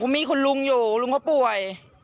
มีคุณลุงอยู่ลุงเขาป่วย